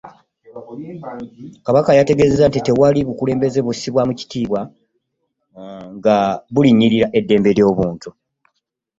Kabaka ategeezezza nti tewali bukulembeze bussibwamu kitiibwa nga bulinnyirira eddembe ly'obuntu.